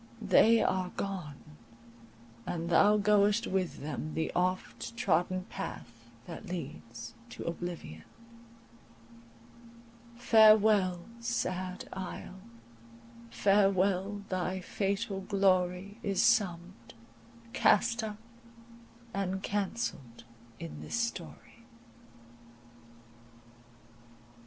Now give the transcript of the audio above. They are gone, and thou goest with them the oft trodden path that leads to oblivion, — Farewell, sad Isle, farewell, thy fatal glory Is summed, cast up, and cancelled in this story.